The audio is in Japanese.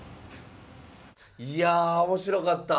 いや面白かった。